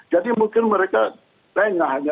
jadi mungkin mereka lengahnya